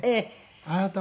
あなたは。